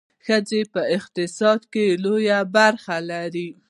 ښځې په اقتصاد کې لویه برخه لري.